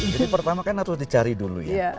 jadi pertama kan harus dicari dulu ya